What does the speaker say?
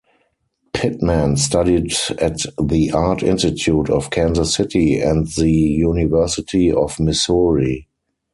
Pitman studied at the Art Institute of Kansas City and the University of Missouri.